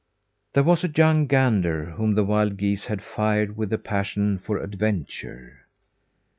There was a young gander whom the wild geese had fired with a passion for adventure.